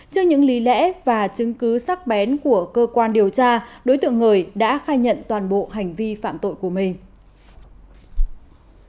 trước những lý lẽ và chứng cứ sắc bén của cơ quan điều tra đối tượng người đã khai nhận toàn bộ hành vi phạm tội của mình